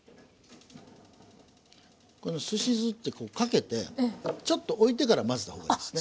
このすし酢ってかけてちょっとおいてから混ぜた方がいいですね。